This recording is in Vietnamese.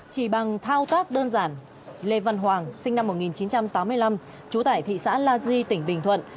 chỉ bằng thao tác đơn giản lê văn hoàng sinh năm một nghìn chín trăm tám mươi năm trú tại thị xã la di tỉnh bình thuận